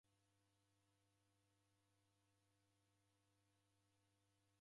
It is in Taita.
Ndukuw'adie mndungi